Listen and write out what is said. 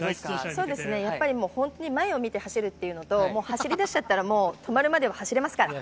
そうですね、やっぱり本当に前を見て走るっていうのと、もう走りだしちゃったら、止まるまでは走れますからね。